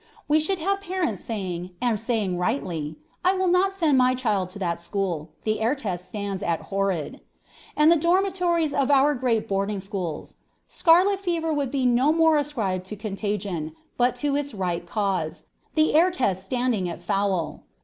We should have parents saying, and saying rightly, 'I will not send my child to that school; the air test stands at "horrid."' And the dormitories of our great boarding schools! Scarlet fever would be no more ascribed to contagion, but to its right cause, the air test standing at 'Foul.'